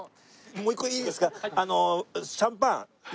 もう一個いいですか？